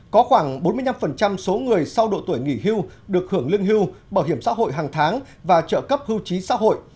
có khoảng bốn mươi năm số người sau độ tuổi nghỉ hưu được hưởng lương hưu bảo hiểm xã hội hàng tháng và trợ cấp hưu trí xã hội